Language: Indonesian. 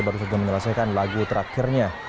baru saja menyelesaikan lagu terakhirnya